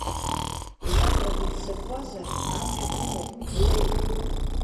Уиаҟара быццакуазар, амҩа бымоуп, блеи.